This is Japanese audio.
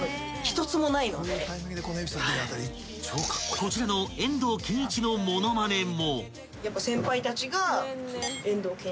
［こちらの遠藤憲一のモノマネも］